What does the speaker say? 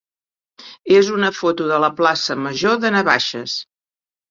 és una foto de la plaça major de Navaixes.